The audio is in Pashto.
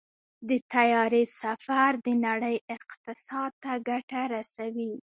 د طیارې سفر د نړۍ اقتصاد ته ګټه رسوي.